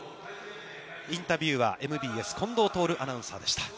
インタビュアーは、ＭＢＳ近藤亨アナウンサーでした。